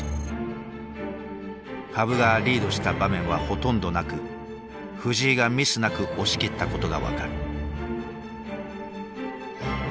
羽生がリードした場面はほとんどなく藤井がミスなく押し切ったことが分かる。